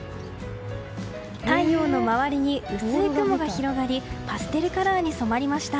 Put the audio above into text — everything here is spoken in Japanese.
太陽の周りに薄い雲が広がりパステルカラーに染まりました。